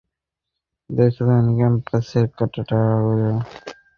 দেখলেন, কম্পাসের কাঁটাও ঘুরে গেল।